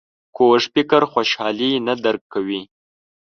کوږ فکر خوشحالي نه درک کوي